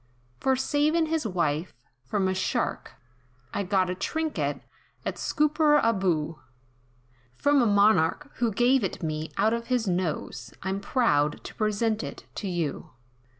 "For savin' his wife, from a shark, I got The trinket, at Scooperaboo, From a Monarch, who gave it me, out of his nose, I'm proud to present it to you.